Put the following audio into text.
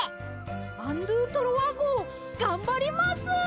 アン・ドゥ・トロワごうがんばります！